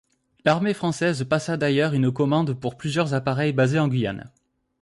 L'armée française passa d'ailleurs une commande pour plusieurs appareils basés en Guyane.